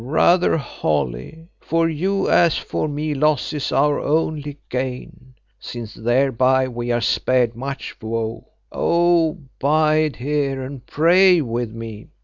Brother Holly, for you as for me loss is our only gain, since thereby we are spared much woe. Oh! bide here and pray with me.